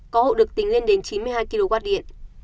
có hộ được tính lên đến chín mươi hai kw điện